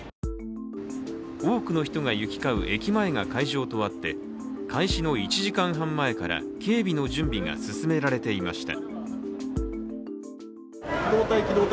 多くの人が行き交う駅前が会場とあって開始の１時間半前から警備の準備が進められていました。